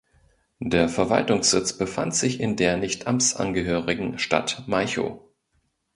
Der Verwaltungssitz befand sich in der nicht amtsangehörigen Stadt Malchow.